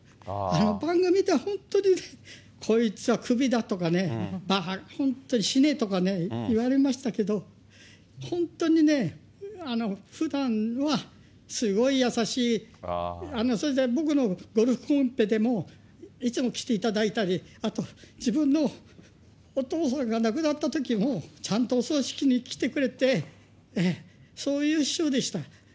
番組では本当にね、こいつはくびだとかね、本当に死ねとか言われましたけど、本当にね、ふだんはすごい優しい、それで僕のゴルフコンペでも、いつも来ていただいたり、あと、自分のお父さんが亡くなったときも、ちゃんとお葬式に来てくれて、そういう師匠でした。